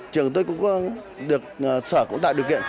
trường tôi cũng được sở cũng tạo điều kiện